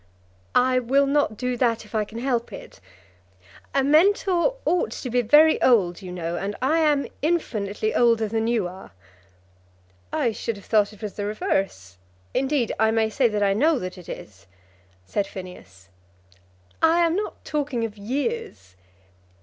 "I will not do that if I can help it. A mentor ought to be very old, you know, and I am infinitely older than you are." "I should have thought it was the reverse; indeed, I may say that I know that it is," said Phineas. "I am not talking of years.